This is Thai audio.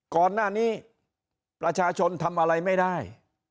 ก่อนหน้านี้ประชาชนทำอะไรไม่ได้